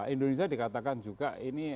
indonesia dikatakan juga ini